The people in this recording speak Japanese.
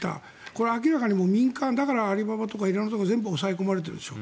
これは明らかに、民間だからアリババとか色んなところが全部抑え込まれているでしょ。